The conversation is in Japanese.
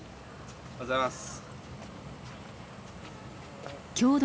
おはようございます。